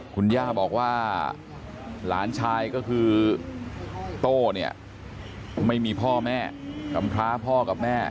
คุณย่าบอกว่าหลานชายก็คือโต้เนี่ยไม่มีพ่อแม่กำพร้าพ่อกับแม่